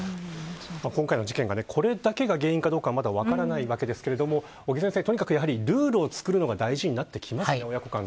今回の事件が、これだけが原因かも分からないわけですけど尾木先生、とにかくルールを作るのが大事なってきますね、親子間で。